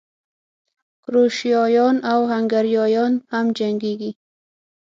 کروشیایان او هنګریایان هم جنګېږي.